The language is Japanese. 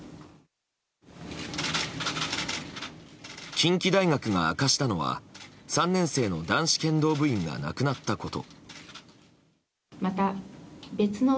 近畿大学が明かしたのは３年生の男子剣道部員が亡くなったこと。